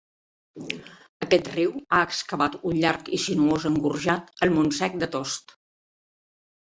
Aquest riu ha excavat un llarg i sinuós engorjat al Montsec de Tost.